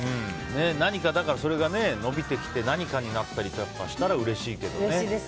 それが伸びてきて何かになったりしたらうれしいけどね。